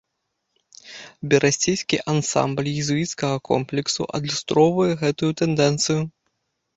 Берасцейскі ансамбль езуіцкага комплексу адлюстроўвае гэтую тэндэнцыю.